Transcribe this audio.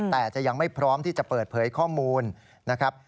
แต่จะยังไม่พร้อมที่จะเปิดเผยข้อมูลนะครับ